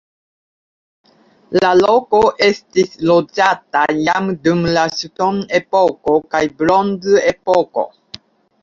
La loko estis loĝata jam dum la ŝtonepoko kaj bronzepoko.